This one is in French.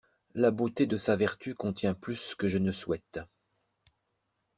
La beauté de sa vertu contient plus que je ne souhaite.